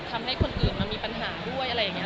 ทำให้คนอื่นมันมีปัญหาด้วยอะไรอย่างนี้